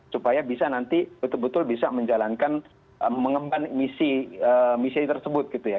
supaya bisa nanti betul betul bisa menjalankan mengemban misi tersebut gitu ya